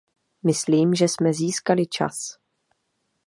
Myslím, že jsme získali čas.